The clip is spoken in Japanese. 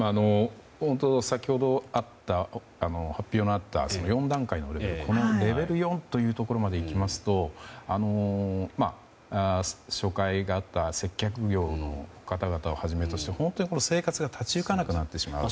先ほど発表のあった４段階のレベル４というところまでいきますと紹介があった接客業の方々をはじめとして本当に生活が立ち行かなくなってしまう。